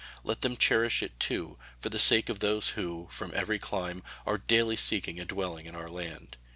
Let them cherish it, too, for the sake of those who, from every clime, are daily seeking a dwelling in our land.